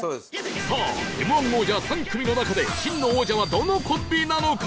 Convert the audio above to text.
さあ Ｍ−１ 王者３組の中で真の王者はどのコンビなのか？